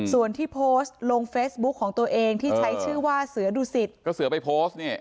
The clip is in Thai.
ส่วนที่โพสต์ลงเฟซบุ๊คของตัวเองที่ใช้ชื่อว่าเสือดูสิทธิ์